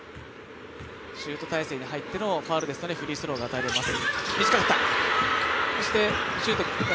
シュート体勢に入ってのファウルでしたのでフリースローが与えられます。